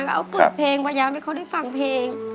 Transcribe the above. เขาเปิดเพลงพยายามให้เขาได้ฟังเพลง